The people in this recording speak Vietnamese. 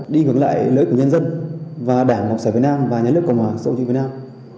đi ngược lại lợi ích của nhân dân và đảng cộng sản việt nam và nhà nước cộng hòa xã hội việt nam